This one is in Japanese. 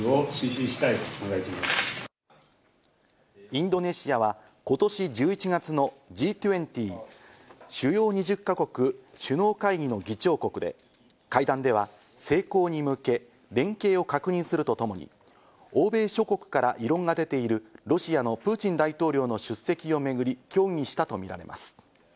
インドネシアは、今年１１月のＧ２０＝主要２０か国首脳会議の議長国で、会談では成功に向け連携を確認するとともに、欧米諸国から異論が出ているロシアのプーチン大統領の出席をめぐり協議したとみられます。